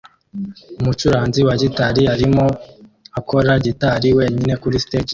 Umucuranzi wa gitari arimo akora gitari wenyine kuri stage